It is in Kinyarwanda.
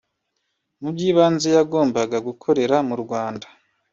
Mu by’ibanze yagombaga gukorera mu Rwanda